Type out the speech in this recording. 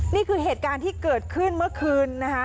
นี่คือเหตุการณ์ที่เกิดขึ้นเมื่อคืนนะคะ